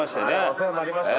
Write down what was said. お世話になりました。